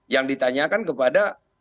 yang ditanyakan kepada orang yang wajah